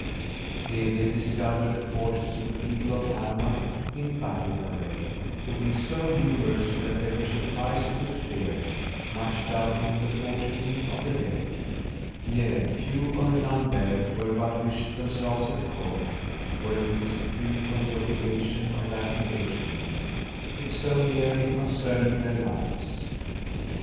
Here they discovered the forces of the people of Panama, in battle array, to be so numerous, that they were surprised with fear, much doubting the fortune of the day: yea, few or none there were but wished themselves at home, or at least free from the obligation of that engagement, it so nearly concerning their lives.